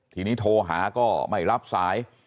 ทีนี้โทรหาก็ไม่รับสาย